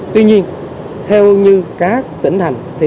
tuy nhiên theo như các tỉnh thành